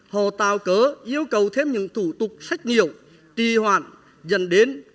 họ tạo cớ yêu cầu thêm những thủ tục sách nghiệu tì hoạn dần đến